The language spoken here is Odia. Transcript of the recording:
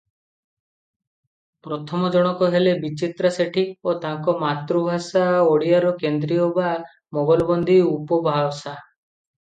ପ୍ରଥମ ଜଣକ ହେଲେ ବିଚିତ୍ରା ସେଠୀ ଓ ତାଙ୍କ ମାତୃଭାଷା ଓଡ଼ିଆର କେନ୍ଦ୍ରୀୟ ବା ମୋଗଲବନ୍ଦୀ ଉପଭାଷା ।